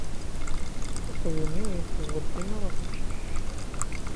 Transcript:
Aqjun-iw iteẓẓel dima ɣef leḥcic.